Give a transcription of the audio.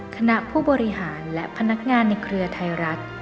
คณะผู้บริหารและพนักงานในเครือไทยรัฐ